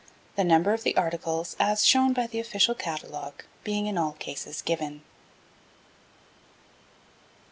The number of the articles, as shown by the official catalogue, being in all cases given.